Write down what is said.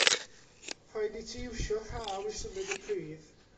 Rhaid i ti iwsio rhaw i symud y pridd.